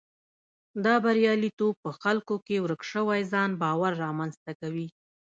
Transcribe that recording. دا بریالیتوب په خلکو کې ورک شوی ځان باور رامنځته کوي.